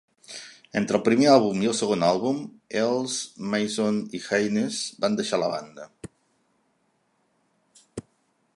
Entre el primer àlbum i el segon àlbum, Eels, Mason i Hayness van deixar la banda.